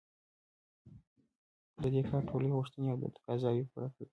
د دې کار ټولې غوښتنې او تقاضاوې پوره کړي.